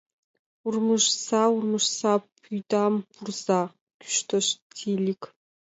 — Урмыжса, урмыжса, пӱйдам пурза! — кӱштыш Тиилик.